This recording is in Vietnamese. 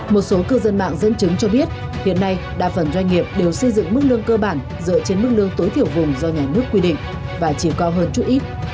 một số cư dân mạng dẫn chứng cho biết hiện nay đa phần doanh nghiệp đều xây dựng mức lương cơ bản dựa trên mức lương tối thiểu vùng do nhà nước quy định và chiều cao hơn chút ít